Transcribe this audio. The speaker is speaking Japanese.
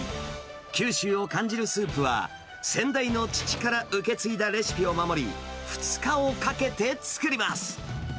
九州を感じるスープは、先代の父から受け継いだレシピを守り、２日をかけて作ります。